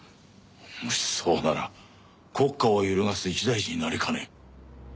もしそうなら国家を揺るがす一大事になりかねん。